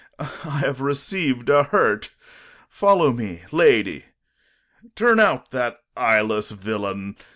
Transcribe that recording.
Corn. I have receiv'd a hurt. Follow me, lady. Turn out that eyeless villain.